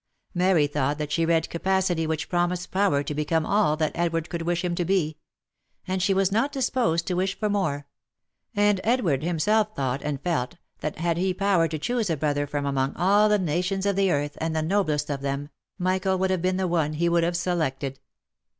Mary thought that she read capacity which promised power to become all that Edward could wish him to be — and she was not disposed to wish for more — and Edward himself thought and felt that had he power to choose a brother from among all the nations of the earth, and the noblest of them, Michael would have been the one he would have selected.